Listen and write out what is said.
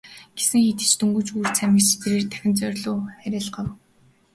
Гэсэн хэдий ч дөнгөж үүр цаймагц тэрээр дахин зоорьруу харайлгав.